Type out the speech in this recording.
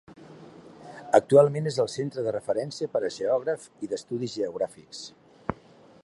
Actualment és el centre de referència per a geògrafs i d'estudis geogràfics.